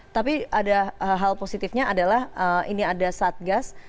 tapi ada hal positifnya adalah ini ada satgas